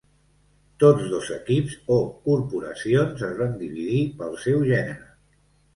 Tots dos equips, o "corporacions", es van dividir pel seu gènere.